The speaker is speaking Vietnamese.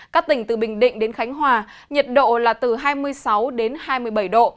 các tỉnh từ bình định đến khánh hòa nhiệt độ là từ hai mươi sáu đến hai mươi bảy độ